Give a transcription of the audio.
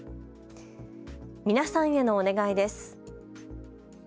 皆さんへのお願いです。